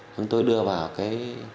chúng tôi đưa vào cái